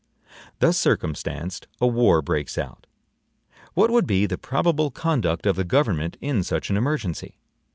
Thus circumstanced, a war breaks out. What would be the probable conduct of the government in such an emergency?